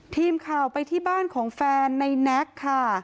ทีมข่าวไปที่บ้านของแฟนในแน็กค่ะ